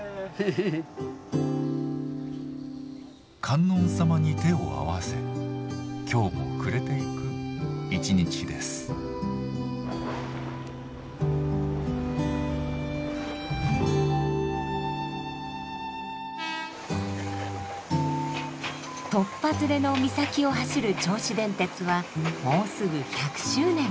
観音様に手を合わせ今日も暮れていく一日です。とっぱずれの岬を走る銚子電鉄はもうすぐ１００周年。